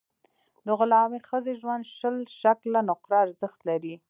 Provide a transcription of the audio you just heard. د غلامي ښځې ژوند شل شِکِل نقره ارزښت لري.